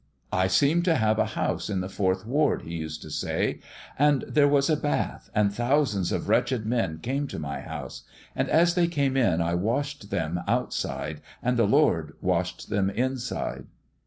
" I seemed to have a house in the Fourth ward," he used to say ;" and there was a bath, and thousands of wretched men came to my house, and as they came in I washed them out side and the Lord washed them inside."